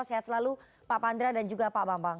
sehat selalu pak pandra dan juga pak bambang